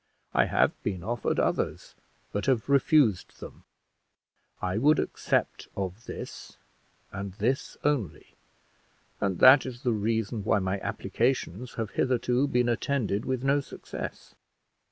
I have been offered others, but have refused them. I would accept of this, and this only; and that is the reason why my applications have hitherto been attended with no success.